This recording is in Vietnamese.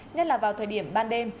nhất là vào thời điểm ban đêm